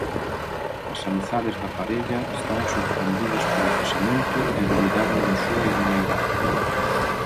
As amizades da parella estaban sorprendidas polo casamento e dubidaban da súa idoneidade.